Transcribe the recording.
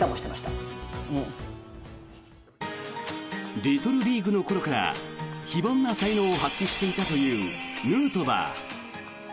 リトルリーグの頃から非凡な才能を発揮していたというヌートバー。